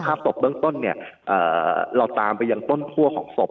สภาพสบเบื้องต้นเราตามไปยังต้นทั่วของสบ